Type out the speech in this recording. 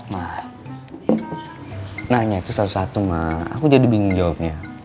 mah nanya itu satu satu mah aku jadi bingung jawabnya